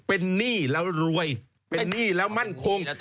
เป็นหนี้แล้วรวยเป็นหนี้แล้วมั่นคง